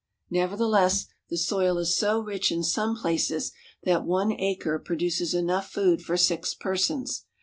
Nevertheless, the soil is so rich in some places that one acre produces enough food for six persons.